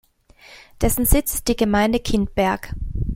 Dessen Sitz ist die Gemeinde Kindberg.